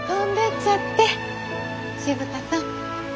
静さん。